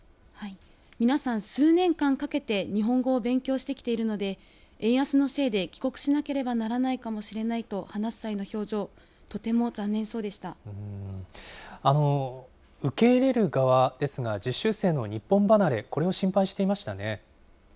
皆さん数年間かけて日本語を勉強してきているので、円安のせいで帰国しなければならないかもしれないと話す際の表情、とても残念受け入れる側ですが、実習生の日本離れ、これを心配していましたね。